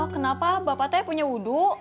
kenapa bapak saya punya wudhu